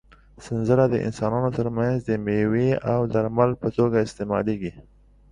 سنځله د انسانانو تر منځ د مېوې او درمل په توګه استعمالېږي.